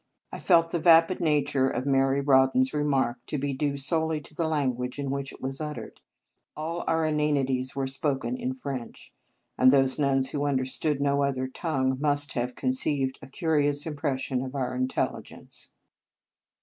I felt the vapid nature of Mary Rawdon s remark to be due solely to the language in which it was uttered. All our inanities were spoken in French; and those nuns who un derstood no other tongue must have conceived a curious impression of our intelligence.